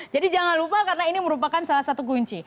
jadi jangan lupa karena ini merupakan salah satu kunci